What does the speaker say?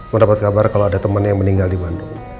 mendapat kabar kalau ada teman yang meninggal di bandung